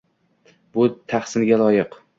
Bu tahsinga loyiq.